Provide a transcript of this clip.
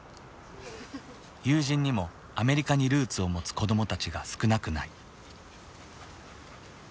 友人にもアメリカにルーツを持つ子どもたちが少なくない。